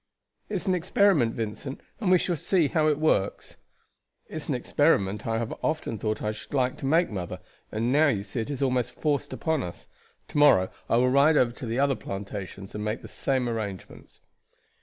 "It's an experiment, Vincent, and we shall see how it works." "It's an experiment I have often thought I should like to make, mother, and now you see it is almost forced upon us. To morrow I will ride over to the other plantations and make the same arrangements."